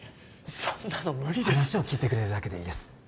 そんなの無理ですって話を聞いてくれるだけでいいです